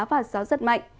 và gió rất mạnh